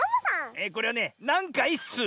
えこれはね「なんかいっすー」。